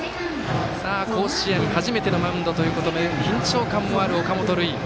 甲子園初めてのマウンドということで緊張感もある岡本琉奨。